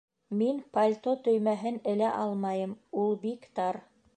Мин пальто төймәһен элә алмайым, ул бик тар